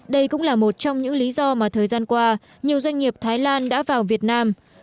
đây cũng là một trong những lý do mà thời gian qua nhiều doanh nghiệp thái lan đã vào việt nam